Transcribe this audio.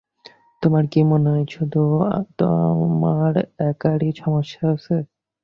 তোমার কি মনে হয় শুধু তোমার একারই সমস্যা আছে?